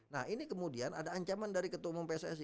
nah ini kemudian ada ancaman dari ketumum pssi